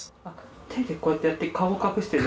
手でこうやってやって顔を隠してるんだ。